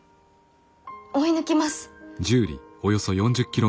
追い抜きます。